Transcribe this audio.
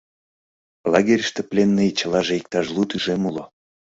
Лагерьыште пленный чылаже иктаж лу тӱжем уло.